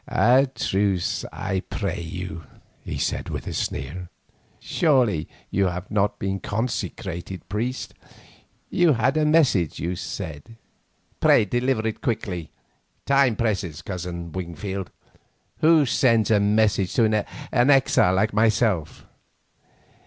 "A truce, I pray you," he said with a sneer. "Surely you have not been consecrated priest. You had a message, you said. Pray deliver it quickly. Time presses, Cousin Wingfield. Who sends messages to an exile like myself?"